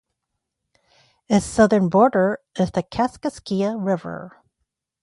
Its southern border is the Kaskaskia River.